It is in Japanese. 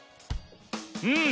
うん。